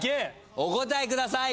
お答えください！